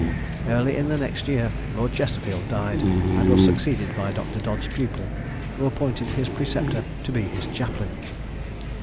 Early in the next year Lord Chesterfield died, and was succeeded by Dr. Dodd's pupil, who appointed his preceptor to be his chaplain.